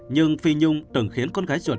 nhưng phi nhung từng khiến con gái chuột